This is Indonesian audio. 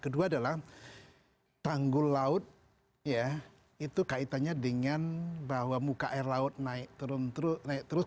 kedua adalah tanggul laut itu kaitannya dengan bahwa muka air laut naik terus